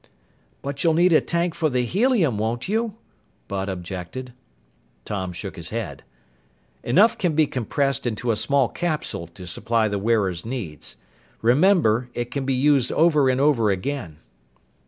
"But you'll need a tank for the helium, won't you?" Bud objected. Tom shook his head. "Enough can be compressed into a small capsule to supply the wearer's needs. Remember, it can be used over and over again."